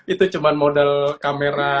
itu cuma model kamera